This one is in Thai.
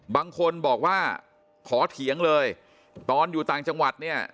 บางคนบอกว่าขอเถียงเลยตอนอยู่ต่างจังหวัดเนี่ย